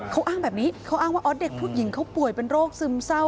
เขาอ้างแบบนี้เขาอ้างว่าอ๋อเด็กผู้หญิงเขาป่วยเป็นโรคซึมเศร้า